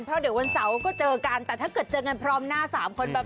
เพราะเดี๋ยววันเสาร์ก็เจอกันแต่ถ้าเกิดเจอกันพร้อมหน้า๓คนแบบ